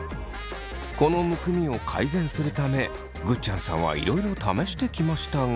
このむくみを改善するためぐっちゃんさんはいろいろ試してきましたが。